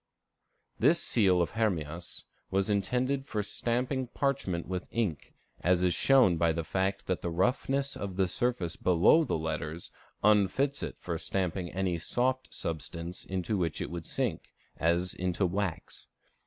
_ This seal of Hermias was intended for stamping parchment with ink, as is shown by the fact that the roughness of the surface below the letters unfits it for stamping any soft substance into which it would sink, as into wax.